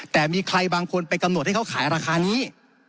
แต่มีใครบางคนไปกำหนดให้เขาขายราคานี้